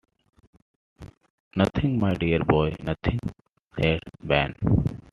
‘Nothing, my dear boy, nothing,’ said Ben.